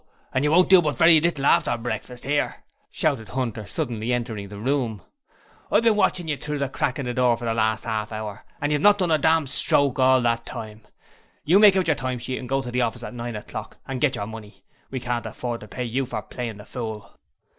and you won't do but very little after breakfast, here!' shouted Hunter, suddenly entering the room. 'I've bin watchin' of you through the crack of the door for the last 'arf hour; and you've not done a dam' stroke all the time. You make out yer time sheet, and go to the office at nine o'clock and git yer money; we can't afford to pay you for playing the fool.'